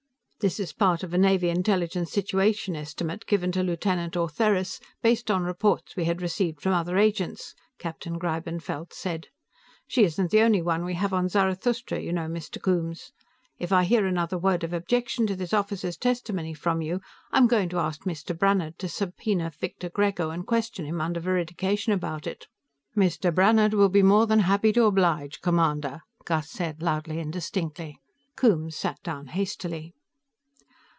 "This is part of a Navy Intelligence situation estimate given to Lieutenant Ortheris, based on reports we had received from other agents," Captain Greibenfeld said. "She isn't the only one we have on Zarathustra, you know. Mr. Coombes, if I hear another word of objection to this officer's testimony from you, I am going to ask Mr. Brannhard to subpoena Victor Grego and question him under veridication about it." "Mr. Brannhard will be more than happy to oblige, Commander," Gus said loudly and distinctly. Coombes sat down hastily.